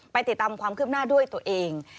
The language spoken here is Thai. ติดตามความคืบหน้าด้วยตัวเอง